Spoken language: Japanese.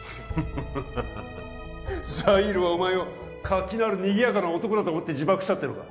ハハハハハザイールはお前を活気のあるにぎやかな男だと思って自爆したっていうのか？